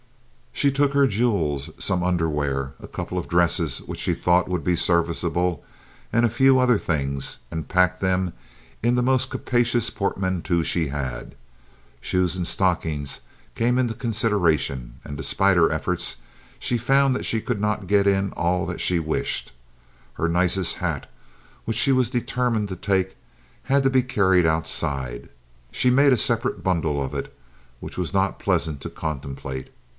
She took her jewels, some underwear, a couple of dresses which she thought would be serviceable, and a few other things, and packed them in the most capacious portmanteau she had. Shoes and stockings came into consideration, and, despite her efforts, she found that she could not get in all that she wished. Her nicest hat, which she was determined to take, had to be carried outside. She made a separate bundle of it, which was not pleasant to contemplate.